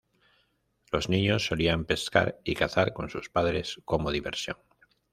Los niños solían pescar y cazar con sus padres como diversión.